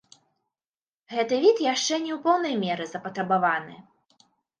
Гэты від яшчэ не ў поўнай меры запатрабаваны.